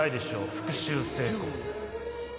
復讐成功です。